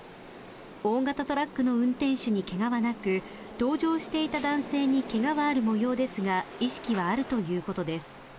大型トラックの運転手にけがはなく、同乗していた男性にけがはあるもようですが、意識はあるということです。